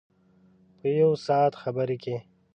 په یو ساعت خبر کې.